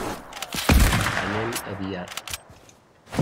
Anem a Biar.